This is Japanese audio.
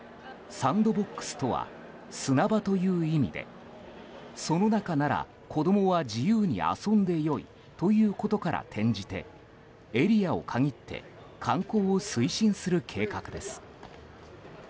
サンドボックスとは砂場という意味でその中なら子供は自由に遊んでよいということから転じてエリアを限って観光を推進する計画です。